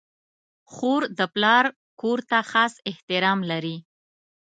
خور د پلار کور ته خاص احترام لري.